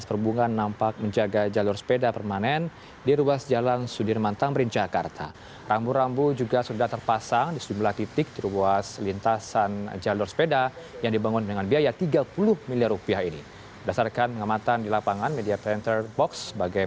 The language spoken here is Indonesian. proteksi selebar dua meter ini